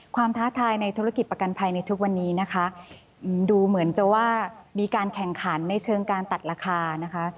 ท้าทายในธุรกิจประกันภัยในทุกวันนี้นะคะดูเหมือนจะว่ามีการแข่งขันในเชิงการตัดราคานะคะ